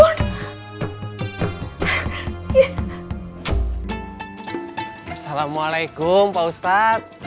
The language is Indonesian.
assalamualaikum pak ustadz